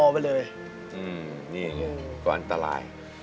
เพลงที่๑มูลค่า๑๐๐๐๐บาท